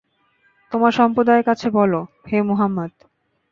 তোমার সম্প্রদায়ের কাছে বল, হে মুহাম্মদ।